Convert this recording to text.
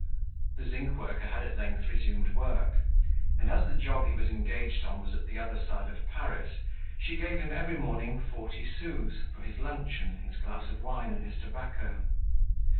The zinc worker had at length resumed work; and as the job he was engaged on was at the other side of Paris, she gave him every morning forty sous for his luncheon, his glass of wine and his tobacco.